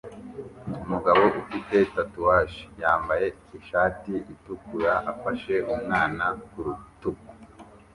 Umugabo ufite tatuwaje yambaye ishati itukura afashe umwana ku rutugu